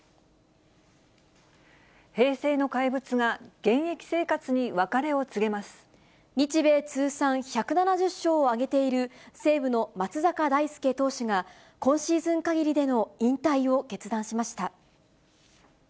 平成の怪物が現役生活に別れ日米通算１７０勝を挙げている、西武の松坂大輔投手が、今シーズンかぎりでの引退を決断しました。